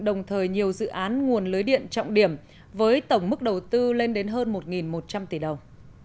đồng thời nhiều dự án nguồn lưới điện trọng điểm với tổng mức đầu tư lên đến hơn một một trăm linh tỷ đồng